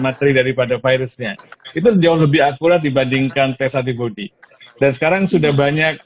materi daripada virusnya itu jauh lebih akurat dibandingkan tes antibody dan sekarang sudah banyak